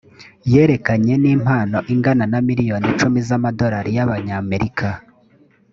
yerekeranye n impano ingana na miliyoni icumi z amadolari y abanyamerika